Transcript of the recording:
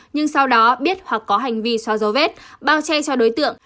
nhưng sau đó biết hoặc có hành vi xóa dấu vết bao che cho đối tượng